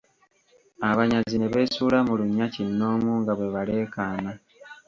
Abanyazi ne beesuula mu lunnya kinnoomu nga bwe baleekaana.